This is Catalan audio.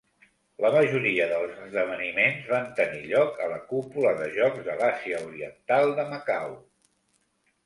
La majoria dels esdeveniments van tenir lloc a la cúpula de jocs de l'Àsia Oriental de Macao.